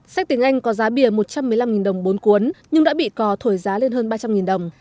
sách tiếng anh có giá bìa một trăm một mươi năm đồng bốn cuốn nhưng đã bị cò thổi giá lên hơn ba trăm linh đồng